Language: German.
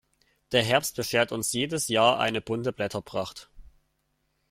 Der Herbst beschert uns jedes Jahr eine bunte Blätterpracht.